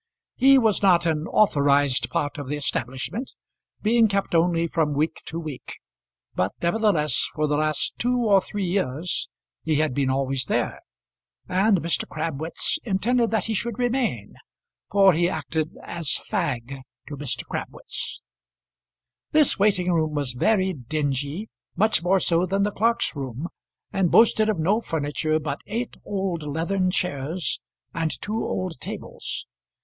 He was not an authorised part of the establishment, being kept only from week to week; but nevertheless, for the last two or three years he had been always there, and Mr. Crabwitz intended that he should remain, for he acted as fag to Mr. Crabwitz. This waiting room was very dingy, much more so than the clerk's room, and boasted of no furniture but eight old leathern chairs and two old tables.